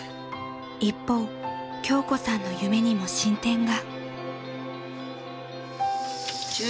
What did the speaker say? ［一方京子さんの夢にも進展が］